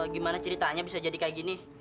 gimana ceritanya bisa jadi kayak gini